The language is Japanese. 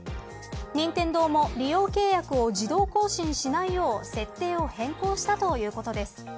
任天堂も利用契約を自動更新しないよう設定を変更したということです。